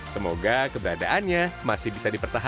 semoga keberadaannya masih bisa dipertahankan